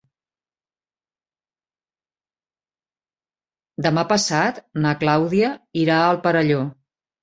Demà passat na Clàudia irà al Perelló.